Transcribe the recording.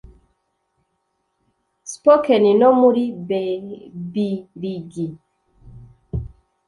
Spoken no muri Bebiligi